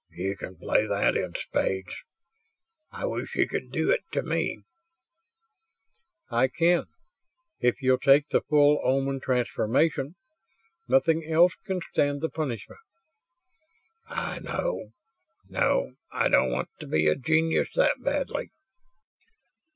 "You can play that in spades. I wish you could do it to me." "I can if you'll take the full Oman transformation. Nothing else can stand the punishment." "I know. No, I don't want to be a genius that badly."